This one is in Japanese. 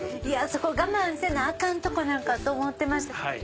そこ我慢せなアカンとこなんかと思ってました。